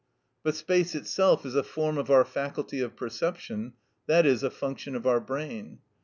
But space itself is a form of our faculty of perception, i.e., a function of our brain.